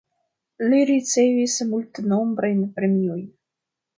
Li ricevis multenombrajn premiojn.